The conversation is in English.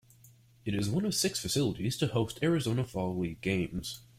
It is one of six facilities to host Arizona Fall League games.